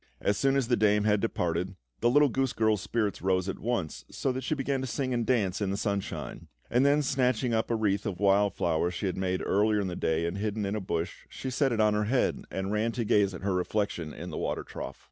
As soon as the dame had departed, the little goose girl's spirits rose at once, so that she began to sing and dance in the sunshine; and then, snatching up a wreath of wild flowers she had made earlier in the day and hidden in a bush, she set it on her head, and ran to gaze at her reflection in the water trough.